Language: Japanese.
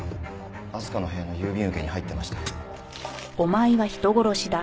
明日香の部屋の郵便受けに入ってました。